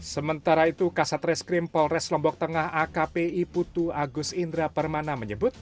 sementara itu kasat reskrim polres lombok tengah akpi putu agus indra permana menyebut